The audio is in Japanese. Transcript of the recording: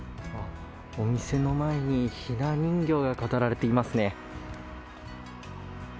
お店の前にひな人形が飾られていますね。